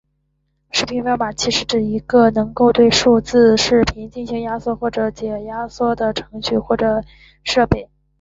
视频编解码器是指一个能够对数字视频进行压缩或者解压缩的程序或者设备。